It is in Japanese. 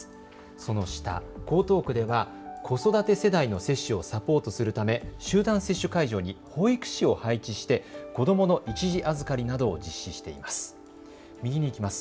その下、江東区では子育て世代の接種をサポートするため集団接種会場に保育士を配置して子どもの一時預かりなどを実施しています。